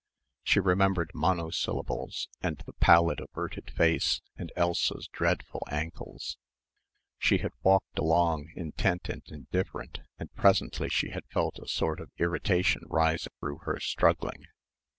She remembered monosyllables and the pallid averted face and Elsa's dreadful ankles. She had walked along intent and indifferent and presently she had felt a sort of irritation rise through her struggling.